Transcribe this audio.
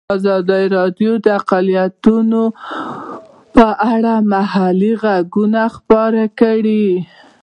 ازادي راډیو د اقلیتونه په اړه د محلي خلکو غږ خپور کړی.